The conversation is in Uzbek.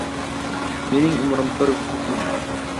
Mening umrim bir kukun